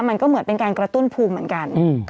มันก็เหมือนเป็นการกระตุ้นภูมิเหมือนกัน